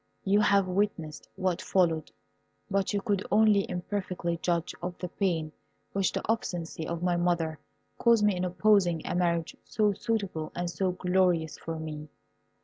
You have witnessed what followed, but you could only imperfectly judge of the pain which the obstinacy of my mother caused me in opposing a marriage so suitable and so glorious for me.